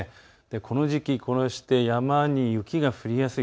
この時期、山に雪が降りやすい